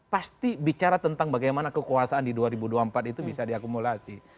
pasti bicara tentang bagaimana kekuasaan di dua ribu dua puluh empat itu bisa diakumulasi